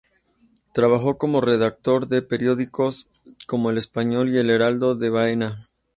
Trabajó como redactor de periódicos como "El Español" y "El Heraldo de Baena".